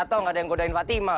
gak tau gak ada yang ngodain fatima